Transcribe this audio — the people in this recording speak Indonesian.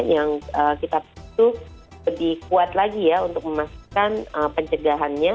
yang kita butuh lebih kuat lagi ya untuk memastikan pencegahannya